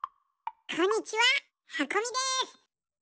こんにちは！はこみです！